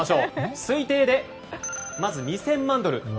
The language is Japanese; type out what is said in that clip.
推定で２０００万ドル。